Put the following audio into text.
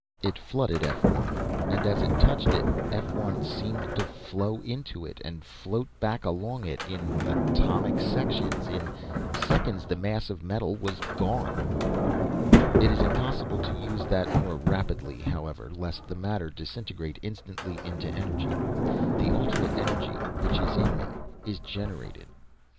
It flooded F 1, and as it touched it, F 1 seemed to flow into it, and float back along it, in atomic sections. In seconds the mass of metal was gone. "It is impossible to use that more rapidly, however, lest the matter disintegrate instantly to energy. The Ultimate Energy which is in me is generated.